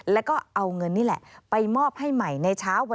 แล้วก็เอาเงินนี่แหละไปมอบให้ใหม่ในเช้า